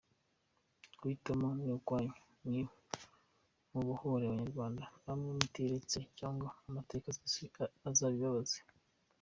Guhitamo ni ukwanyu ni mubohore abanywarwanda namwe mutiretse cyangwa amateka azabibabaze.